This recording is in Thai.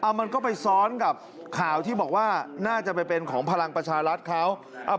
มันก็ไปซ้อนกับข่าวที่บอกว่าน่าจะไปเป็นของพลังประชารัฐเขา